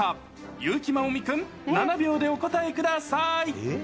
優木まおみ君、７秒でお答えください。